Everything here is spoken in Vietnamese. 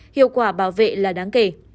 hiệu quả bảo vệ là đáng kể